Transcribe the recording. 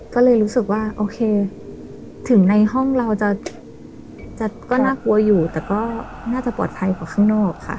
ก็เลยรู้สึกว่าโอเคถึงในห้องเราก็น่ากลัวอยู่แต่ก็น่าจะปลอดภัยกว่าข้างนอกค่ะ